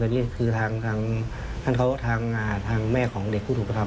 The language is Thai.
อันนี้คือทางแม่ของเด็กผู้ถูกกระทำ